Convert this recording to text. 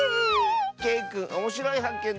けいくんおもしろいはっけん